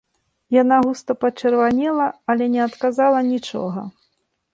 Яна густа пачырванела, але не адказала нічога.